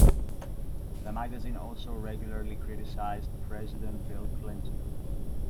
The magazine also regularly criticized President Bill Clinton.